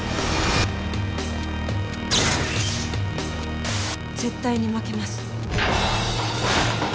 絶対に負けます。